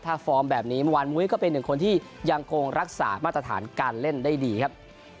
ถ้าฟอร์มแบบนี้เมื่อวานมุ้ยก็เป็นหนึ่งคนที่ยังคงรักษามาตรฐานการเล่นได้ดีครับ